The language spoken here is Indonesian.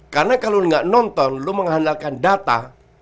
karena kalau lo enggak nonton lo mengandalkan data